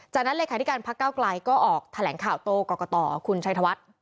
จากนั้นเลยค่ะที่การพักก้าวกลายก็ออกแถลงข่าวโตกรกฎคุณชัยธวัฒน์